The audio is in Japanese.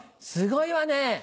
すごいわね。